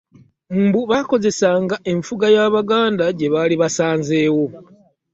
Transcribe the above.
Mbu baakozesanga enfuga y'abaganda gye baali basanzeewo.